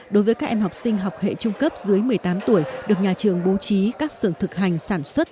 đối với các em học sinh học hệ trung cấp dưới một mươi tám tuổi được nhà trường bố trí các sưởng thực hành sản xuất